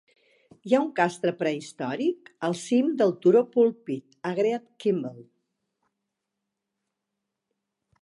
Hi ha un castre prehistòric al cim del turó Pulpit, a Great Kimble.